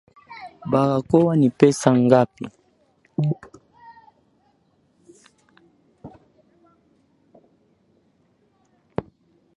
Barakoa ni pesa ngapi?